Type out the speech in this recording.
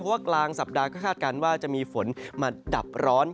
เพราะว่ากลางสัปดาห์ก็คาดการณ์ว่าจะมีฝนมาดับร้อน